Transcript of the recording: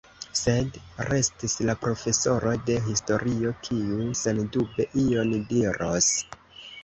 Sed restis la profesoro de historio, kiu sendube ion diros.